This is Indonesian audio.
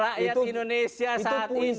rakyat indonesia saat ini